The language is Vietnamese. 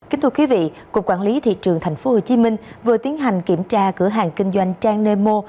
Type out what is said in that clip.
kính thưa quý vị cục quản lý thị trường tp hcm vừa tiến hành kiểm tra cửa hàng kinh doanh trang nemo